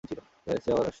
Guys, সে আবার আসছে।